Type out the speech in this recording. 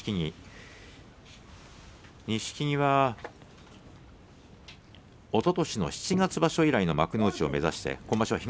錦木はおととしの七月場所以来の幕内を目指して今場所